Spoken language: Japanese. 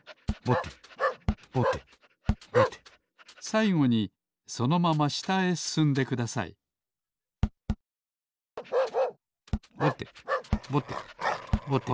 さいごにそのまましたへすすんでくださいぼてぼてぼて。